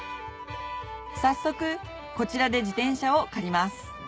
早速こちらで自転車を借ります